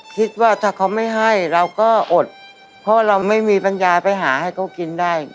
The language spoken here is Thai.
คิดว่าถ้าเขาไม่ให้เราก็อดเพราะเราไม่มีปัญญาไปหาให้เขากินได้